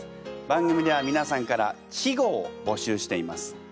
番組ではみなさんから稚語を募集しています。